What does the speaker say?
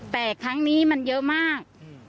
แต่ครั้งนี้มันเยอะมาก